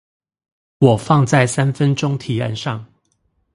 我放在三分鐘提案上